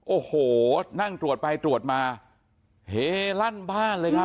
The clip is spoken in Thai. โอ้โหนั่งตรวจไปตรวจมาเฮลั่นบ้านเลยครับ